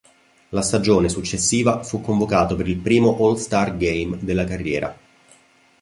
La stagione successiva fu convocato per il primo All-Star Game della carriera.